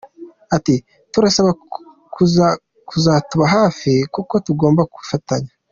Ati “ Turabasa kuzatuba hafi kuko tugomba gufatanya.